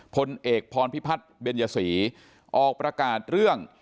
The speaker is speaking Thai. พลเอกพรพิพัฒน์เบญยศรีออกประกาศเรื่อง